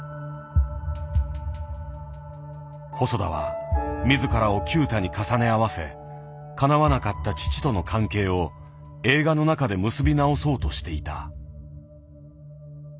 細田は自らを九太に重ね合わせかなわなかった父との関係を映画の中で結び直そうとしていた。